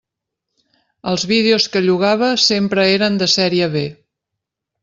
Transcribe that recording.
Els vídeos que llogava sempre eren de sèrie B.